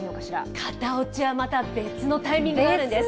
型落ちはまた別のタイミングがあるんです。